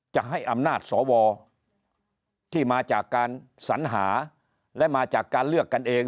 จะให้อำนาจสวที่มาจากการสัญหาและมาจากการเลือกกันเอง